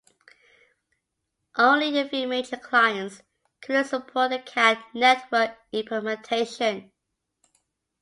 Only a few major clients currently support the Kad network implementation.